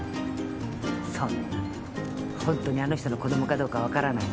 そんなホントにあの人の子供かどうか分からないのに。